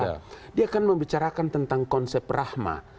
bung irraq membicarakan tentang konsep rahma